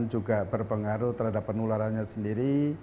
juga berpengaruh terhadap penularannya sendiri